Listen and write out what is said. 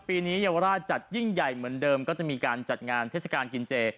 ปีนี้เยาวราชจัดยิ่งใหญ่เหมือนเดิมก็จะมีการจัดงานเทศกาลกินเจ